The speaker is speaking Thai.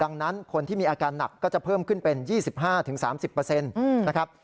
ดังนั้นคนที่มีอาการหนักก็จะเพิ่มขึ้นเป็น๒๕๓๐นะครับ